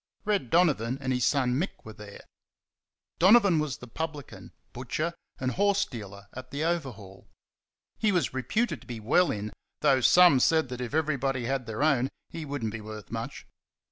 Red Donovan and his son, Mick, were there. Donovan was the publican, butcher, and horse dealer at the Overhaul. He was reputed to be well in, though some said that if everybody had their own he would n't be worth much.